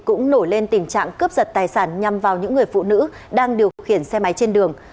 cũng nổi lên tình trạng cướp giật tài sản nhằm vào những người phụ nữ đang điều khiển xe máy trên đường